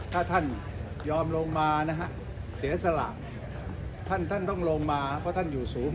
ท่านต้องลงมาเพราะท่านอยู่สูง